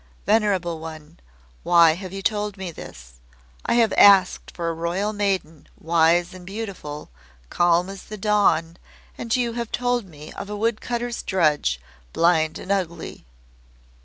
"Venerable One, why have you told me this? I asked for a royal maiden wise and beautiful, calm as the dawn, and you have told me of a wood cutter's drudge, blind and ugly."